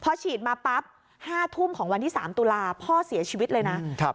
พอฉีดมาปั๊บ๕ทุ่มของวันที่๓ตุลาพ่อเสียชีวิตเลยนะ